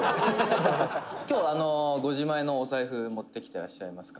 「今日、ご自前のお財布持ってきていらっしゃいますか」